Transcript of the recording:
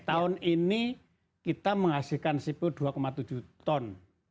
tahun ini kita menghasilkan sipu dua tujuh ton